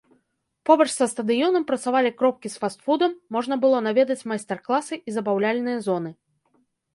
Побач са стадыёнам працавалі кропкі з фаст-фудам, можна было наведаць майстар-класы і забаўляльныя зоны.